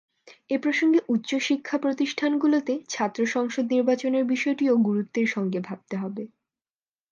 এ প্রসঙ্গে উচ্চশিক্ষাপ্রতিষ্ঠানগুলোতে ছাত্র সংসদ নির্বাচনের বিষয়টিও গুরুত্বের সঙ্গে ভাবতে হবে।